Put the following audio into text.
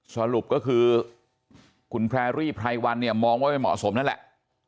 สรุปก็คือคุณแพรรี่ไพรวันเนี่ยมองว่าไม่เหมาะสมนั่นแหละ